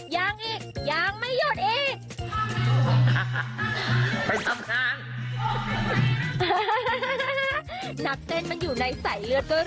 ยังอีกยังไม่หยุดอีก